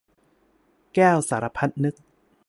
แก้วสารพัดนึก